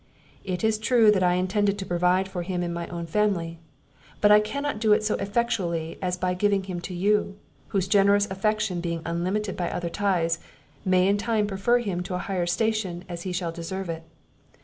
It is true that I intended to provide for him in my own family; but I cannot do it so effectually as by giving him to you, whose generous affection being unlimited by other ties, may in time prefer him to a higher station as he shall deserve it.